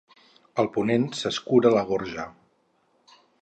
El ponent s'escura la gorja.